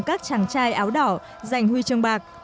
các chàng trai áo đỏ giành huy chương bạc